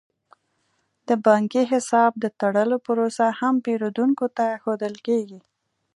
د بانکي حساب د تړلو پروسه هم پیرودونکو ته ښودل کیږي.